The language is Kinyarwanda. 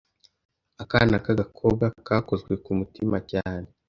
Akana k'agakobwa, kakozwe ku mutima cyane